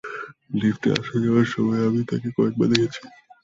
লিফটে আসা-যাওয়ার সময় আমি তাকে কয়েকবার দেখেছি।